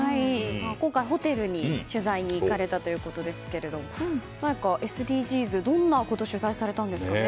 今回、ホテルに取材に行かれたということですがＳＤＧｓ、どんなことを取材されたんですかね。